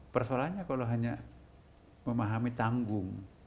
persoalannya kalau hanya memahami tanggung